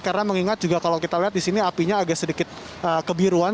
karena mengingat juga kalau kita lihat di sini apinya agak sedikit kebiruan